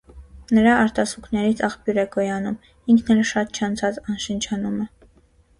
Նրա արտասուքներից աղբյուր է գոյանում, ինքն էլ շատ չանցած անշնչանում է։